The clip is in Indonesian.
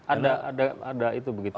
ada itu begitu